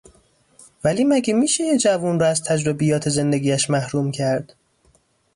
ولی مگه میشه یه جوون رو از تجربیات زندگیاش محروم کرد